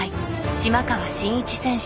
島川慎一選手。